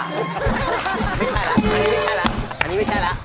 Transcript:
ไม่ใช่ล่ะ